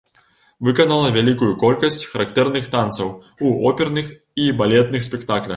Выканала вялікую колькасць характарных танцаў у оперных і балетных спектаклях.